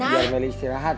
biar meli istirahat